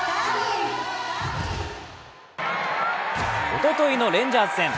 おとといのレンジャーズ戦。